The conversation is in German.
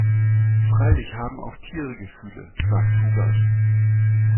"Freilich haben auch Tiere Gefühle", sagt Hubert.